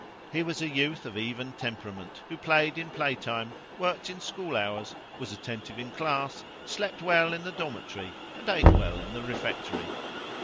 He was a youth of even temperament, who played in playtime, worked in school hours, was attentive in class, slept well in the dormitory, and ate well in the refectory.